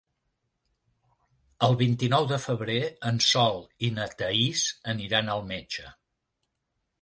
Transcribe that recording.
El vint-i-nou de febrer en Sol i na Thaís aniran al metge.